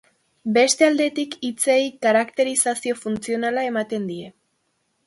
Beste aldetik, hitzei karakterizazio funtzionala ematen die.